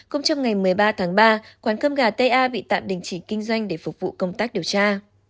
cũng trong ngày một mươi ba tháng ba quán cơm gà ta bị tạm đình chỉ kinh doanh để phục vụ công tác điều tra